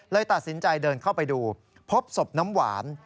ตัดสินใจเดินเข้าไปดูพบศพน้ำหวาน